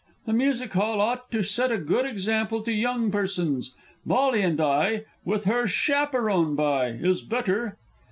The Music Hall ought to set a good example to young persons. "Molly and I with her chaperon by," is better.